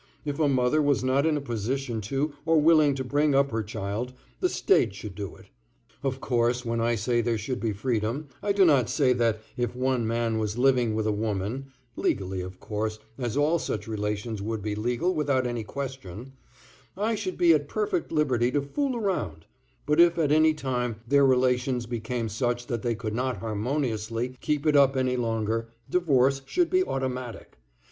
If a mother was not in a position to or willing to bring up her child, the State should do it. Of course, when I say there should be freedom, I do not say that, if one man was living with a woman (legally, of course, as all such relations would be legal without any question), I should be at perfect liberty to fool around, but if at any time their relations became such that they could not harmoniously keep it up any longer, divorce should be automatic.